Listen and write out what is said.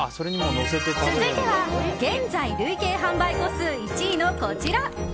続いては現在累計販売個数１位のこちら。